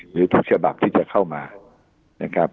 หรือทุกฉบับที่จะเข้ามานะครับ